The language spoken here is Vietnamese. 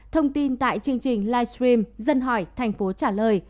thông tin tại chương trình livestream dân hỏi tp hcm tối ba mươi chín